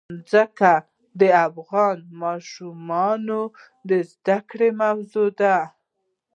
ځمکه د افغان ماشومانو د زده کړې موضوع ده.